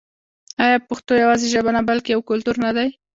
آیا پښتو یوازې ژبه نه بلکې یو کلتور نه دی؟